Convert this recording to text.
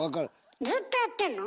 ずっとやってんの？